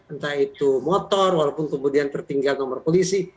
entah itu motor walaupun kemudian pertinggal nomor polisi